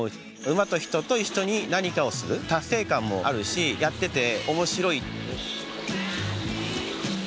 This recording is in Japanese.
馬と人と一緒に何かをする達成感もあるしやってて。